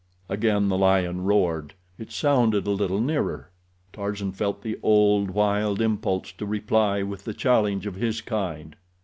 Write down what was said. Again the lion roared. It sounded a little nearer. Tarzan felt the old, wild impulse to reply with the challenge of his kind.